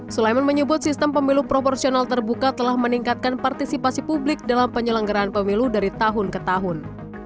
sulaiman menyebut sistem pemilu proporsional terbuka telah meningkatkan partisipasi publik dalam penyelenggaraan pemilu dari tahun ke tahun